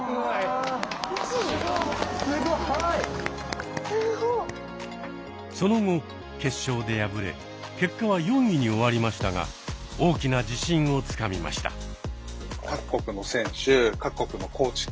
すごい！その後決勝で敗れ結果は４位に終わりましたが大きな自信をつかみました。